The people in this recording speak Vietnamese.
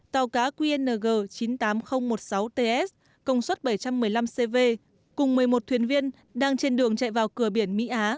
tàu cá qng chín mươi tám nghìn một mươi sáu ts công suất bảy trăm một mươi năm cv cùng một mươi một thuyền viên đang trên đường chạy vào cửa biển mỹ á